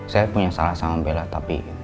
saya punya salah sama bela tapi